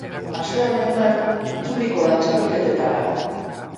Aste honetan itzuliko da txapelketetara.